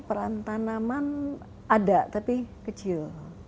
peran tanaman ada tapi kecil